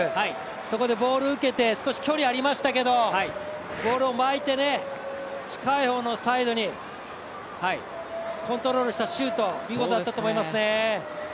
そこでボール受けて少し距離ありましたがボールをまいて近い方のサイドにコントロールしたシュート見事だったと思いますね。